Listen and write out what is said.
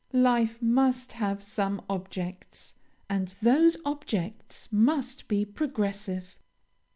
Life must have some objects, and those objects must be progressive.